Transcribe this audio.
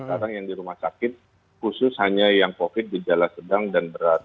sekarang yang di rumah sakit khusus hanya yang covid gejala sedang dan berat